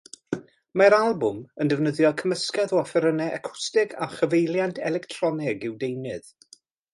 Mae'r albwm yn defnyddio cymysgedd o offerynnau acwstig a chyfeiliant electronig i'w deunydd.